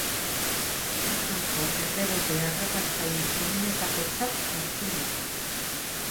Ligako errebote harrapatzaile onenetakotzat hartzen dute.